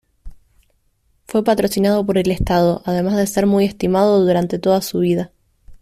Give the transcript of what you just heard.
Fue patrocinado por el estado, además de ser muy estimado durante toda su vida.